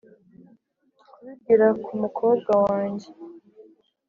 kubibwira ku umukobwa wanjye